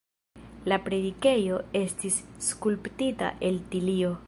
La predikejo estis skulptita el tilio.